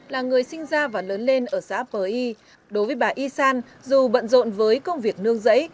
là người sinh ra và lớn lên ở xã pờ y đối với bà y san dù bận rộn với công việc nương giấy